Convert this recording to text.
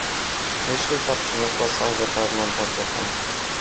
Myśl ta przyniosła Sarze pewną pociechę.